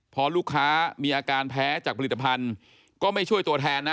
พอลูกค้ามีอาการแพ้จากผลิตภัณฑ์ก็ไม่ช่วยตัวแทนนะ